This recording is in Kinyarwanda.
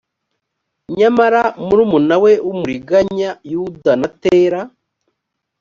nyamara murumuna we w umuriganya yuda na tera